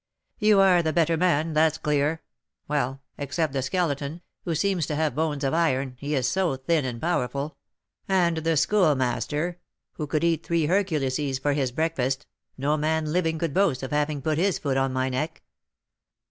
"You are the better man, that's clear. Well, except the Skeleton, who seems to have bones of iron, he is so thin and powerful, and the Schoolmaster, who could eat three Herculeses for his breakfast, no man living could boast of having put his foot on my neck."